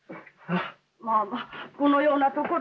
まあまあこのような所で。